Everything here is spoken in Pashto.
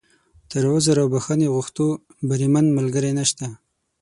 تر عذر او بښنې غوښتو، بریمن ملګری نشته.